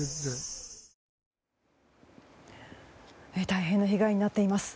大変な被害になっています。